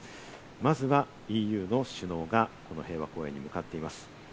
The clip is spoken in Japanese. まずはＥＵの首脳が平和公園に向かっています。